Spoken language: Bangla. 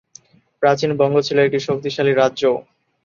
প্রাচীন বঙ্গ ছিল একটি শক্তিশালী রাজ্য।